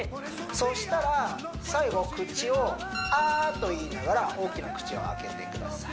そしたら最後口を「あー」と言いながら大きな口を開けてください